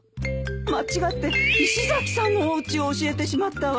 間違って石崎さんのおうちを教えてしまったわ。